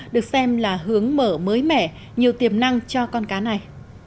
được xem là hướng mở mới mẻ nhiều tiềm năng cho con cá này